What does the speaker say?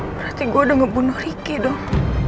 berarti gue udah ngebunuh riki dong